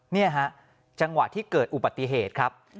นี่ฮะจังหวะที่เกิดอุบัติเหตุครับ